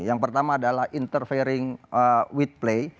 yang pertama adalah interfering with play